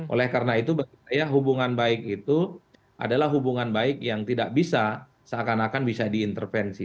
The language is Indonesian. oleh karena itu bagi saya hubungan baik itu adalah hubungan baik yang tidak bisa seakan akan bisa diintervensi